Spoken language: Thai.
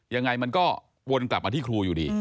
ยังไงมันก็วนกลับมาที่ครูอยู่ดี